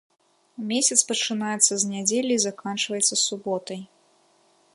Месяц пачынаецца з нядзелі і заканчваецца суботай.